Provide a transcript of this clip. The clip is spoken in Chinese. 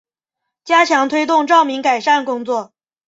加强推动照明改善工作